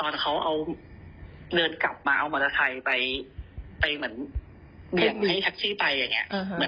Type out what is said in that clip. เราก็พิวชัยใสแค่นั้น